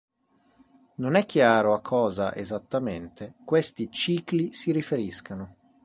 Non è chiaro a cosa, esattamente, questi "cicli" si riferiscano.